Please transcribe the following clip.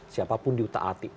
siapapun diutak hati